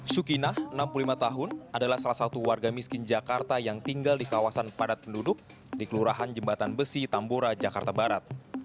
sukinah enam puluh lima tahun adalah salah satu warga miskin jakarta yang tinggal di kawasan padat penduduk di kelurahan jembatan besi tambora jakarta barat